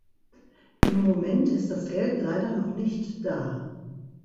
Im Moment ist das Geld leider noch nicht da.